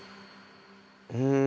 うん。